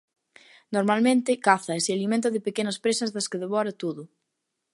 Normalmente caza e se alimenta de pequenas presas das que devora todo.